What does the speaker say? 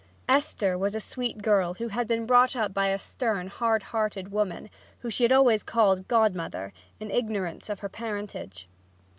Esther was a sweet girl who had been brought up by a stern, hard hearted woman whom she had always called "godmother," in ignorance of her parentage.